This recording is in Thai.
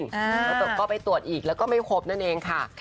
แล้วก็ไปตรวจอีกแล้วก็ไม่พบนั่นเองค่ะ